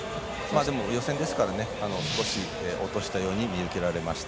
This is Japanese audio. でも予選ですから少し落としたように見受けられました。